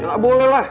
gak boleh lah